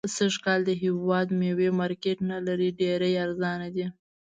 سږ کال د هيواد ميوي مارکيټ نلري .ډيري ارزانه دي